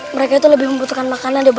mereka lebih membutuhkan makanan daripada kita